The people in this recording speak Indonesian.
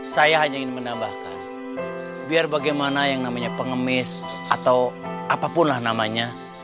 saya hanya ingin menambahkan biar bagaimana yang namanya pengemis atau apapun lah namanya